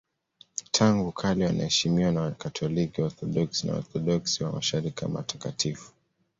Tangu kale wanaheshimiwa na Wakatoliki, Waorthodoksi na Waorthodoksi wa Mashariki kama watakatifu.